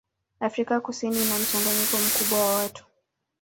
Afrika Kusini ina mchanganyiko mkubwa wa watu.